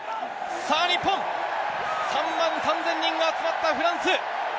日本３万３０００人が集まったフランス。